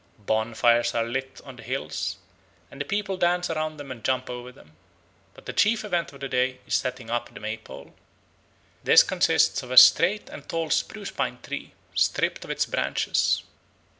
Bonfires are lit on the hills, and the people dance round them and jump over them. But the chief event of the day is setting up the May pole. This consists of a straight and tall sprucepine tree, stripped of its branches.